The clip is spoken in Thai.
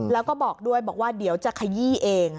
แล้วก็บอกด้วยเดี๋ยวจะขยี้เอง